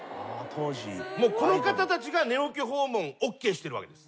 この方たちが寝起き訪問ＯＫしてるわけです。